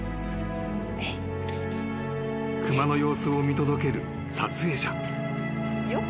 ［熊の様子を見届ける撮影者］